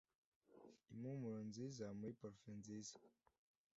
impumuro nziza muri parufe nziza